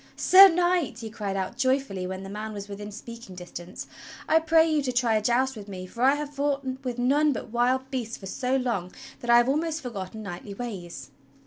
"Sir Knight," he cried out joyfully when the man was within speaking distance, "I pray you to try a joust with me, for I have fought with none but wild beasts for so long that I have almost forgotten knightly ways."